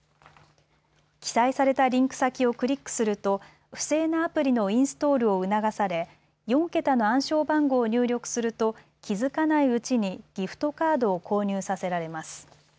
記載されたリンク先をクリックすると不正なアプリのインストールを促され４桁の暗証番号を入力すると気付かないうちにギフトカードを購入させられます。